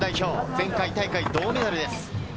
前回大会、銅メダルです。